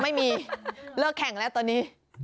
ไม่มีเลิกแข่งแล้วตอนนี้